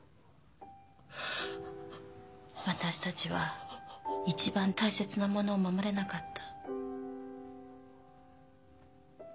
私たちは一番大切なものを守れなかった